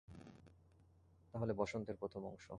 তাহলে বসন্তের প্রথম অংশ।